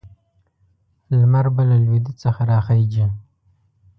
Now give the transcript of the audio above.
لمر به له لویدیځ څخه راخېژي.